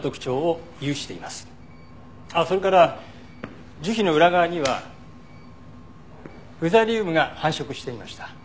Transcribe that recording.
それから樹皮の裏側にはフザリウムが繁殖していました。